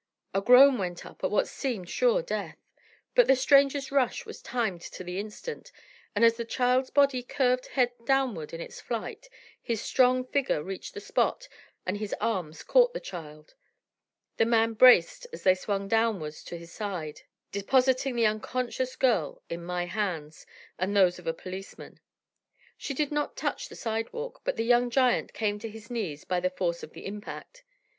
A groan went up at what seemed sure death. But the stranger's rush was timed to the instant, and as the child's body curved head downward in its flight, his strong figure reached the spot and his arms caught the child. The man braced as they swung downward to his side, depositing the unconscious girl in my hands and those of a policeman. She did not touch the sidewalk, but the young giant came to his knees by the force of the impact.